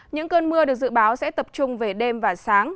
những cơn mưa được dự báo sẽ tập trung về đêm và sáng